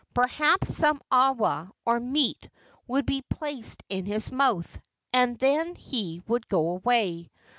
Perhaps some awa, or meat, would be placed in his mouth, and then he would go away.